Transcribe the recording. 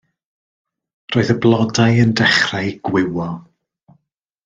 Roedd y blodau yn dechrau gwywo.